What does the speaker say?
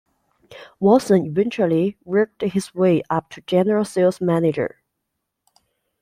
Watson eventually worked his way up to general sales manager.